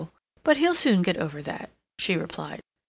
But he'll soon get over that," she replied.